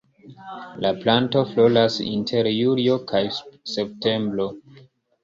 La planto floras inter julio kaj septembro.